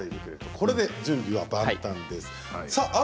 これで準備万端です。